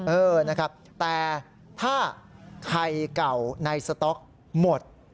เออนะครับแต่ถ้าไข่เก่าในสต๊อกหมด